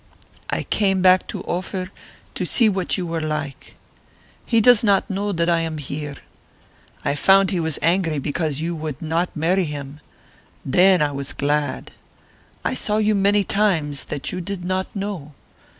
I came back to Ophir to see what you were like. He does not know that I am here. I found he was angry because you would not marry him. Then I was glad. I saw you many times that you did not know.